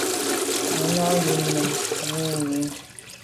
Nu nà i mi nu a num i mi.